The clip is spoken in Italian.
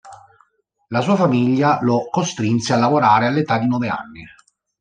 La sua famiglia lo costrinse a lavorare all'età di nove anni.